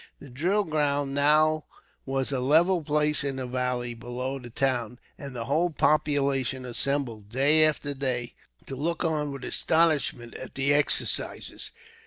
The drill ground now was a level space in the valley below the town, and the whole population assembled, day after day, to look on with astonishment at the exercises.